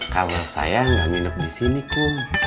kalau sayang gak nginep disini kum